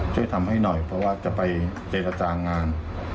ช่วยทำให้หน่อยเพราะว่าจะไปเจรจางาน